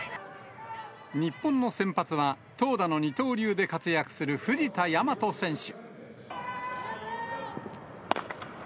日本の先発は、投打の二刀流で活躍する藤田倭選手。